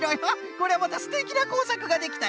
これまたすてきなこうさくができたのう。